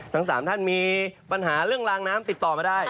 ทั้ง๓ท่านมีปัญหาเรื่องลางน้ำติดต่อมาได้